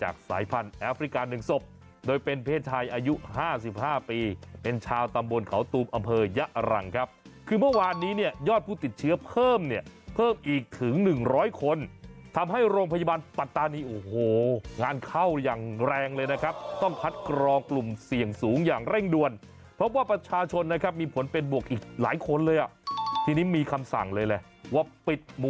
แอฟริกาหนึ่งศพโดยเป็นเพศไทยอายุห้าสิบห้าปีเป็นชาวตำบลเขาตูบอำเภยะรังครับคือเมื่อวานนี้เนี่ยยอดผู้ติดเชื้อเพิ่มเนี่ยเพิ่มอีกถึงหนึ่งร้อยคนทำให้โรงพยาบาลปัตตานีโอ้โหงานเข้ายังแรงเลยนะครับต้องพัดกรอกลุ่มเสี่ยงสูงอย่างเร่งด่วนเพราะว่าประชาชนนะครับมีผลเป็นบวกอีกห